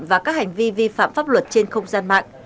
và các hành vi vi phạm pháp luật trên không gian mạng